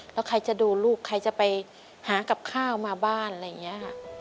แล้วใครจะดูลูกใครจะไปหากับข้าวมาบ้านอะไรอย่างนี้ค่ะ